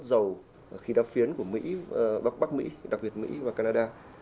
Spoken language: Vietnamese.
giàu khí đá phiến của mỹ bắc mỹ đặc biệt mỹ và canada